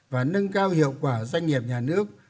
và nâng cao hiệu quả doanh nghiệp nhà nước